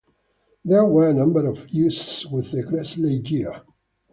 There were a number of issues with the Gresley gear.